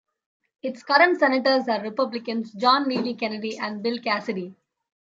Its current senators are Republicans John Neely Kennedy and Bill Cassidy.